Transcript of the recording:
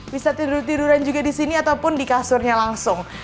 bisa tidur tiduran juga di sini ataupun di kasurnya langsung